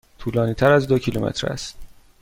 طولانی تر از دو کیلومتر است.